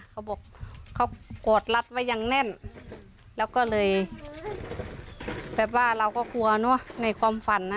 เขาบอกเขากอดรัดไว้อย่างแน่นแล้วก็เลยแบบว่าเราก็กลัวเนอะในความฝันนะ